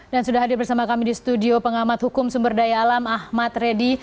dan sudah hadir bersama kami di studio pengamat hukum sumber daya alam ahmad reddy